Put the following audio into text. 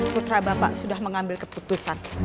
putra bapak sudah mengambil keputusan